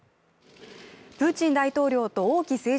プーチン大統領と王毅政治